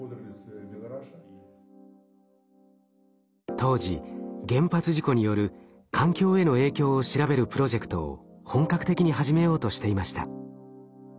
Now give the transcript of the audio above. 当時原発事故による環境への影響を調べるプロジェクトを本格的に始めようとしていました。